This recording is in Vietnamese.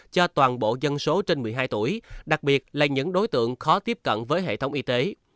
cho toàn bộ dân số trên một mươi hai tuổi đặc biệt là những đối tượng khó tiếp cận với hệ thống y tế